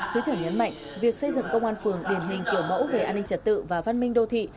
thứ trưởng nhấn mạnh việc xây dựng công an phường điển hình kiểu mẫu về an ninh trật tự và văn minh đô thị